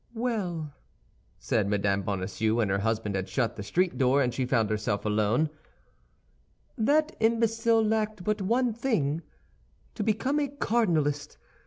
"Well," said Mme. Bonacieux, when her husband had shut the street door and she found herself alone; "that imbecile lacked but one thing: to become a cardinalist.